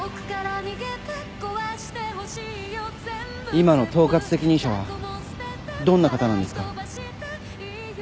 今の統括責任者はどんな方なんですか？